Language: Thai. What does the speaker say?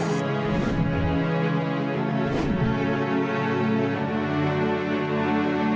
แกน่าเกลิ่ม